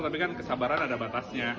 tapi kan kesabaran ada batasnya